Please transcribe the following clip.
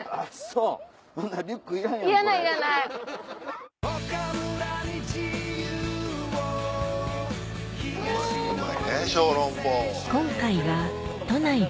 うまいね小籠包。